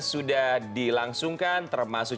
sudah dilangsungkan termasuk